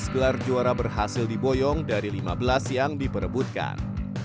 delapan belas gelar juara berhasil diboyong dari lima belas yang diperebutkan